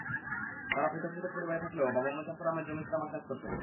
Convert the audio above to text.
তাঁরা পৃথক পৃথক পরিবারে থাকলেও বাবা মোজাফ্ফর আহমদের জমিতে তামাক চাষ করতেন।